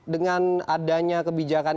dengan adanya kebijakan